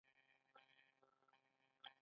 ښځه د ټولنې کومه برخه ده؟